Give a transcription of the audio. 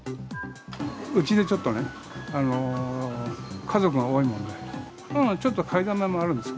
うちでちょっとね、家族が多いもんで。